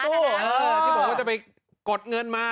ที่บอกว่าจะไปกดเงินมา